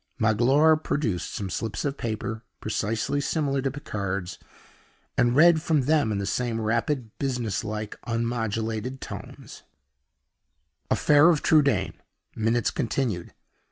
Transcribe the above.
Magloire produced some slips of paper precisely similar to Picard's and read from them in the same rapid, business like, unmodulated tones: "Affair of Trudaine. Minutes continued.